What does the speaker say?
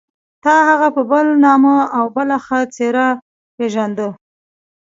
تا هغه په بل نامه او بله څېره پېژانده.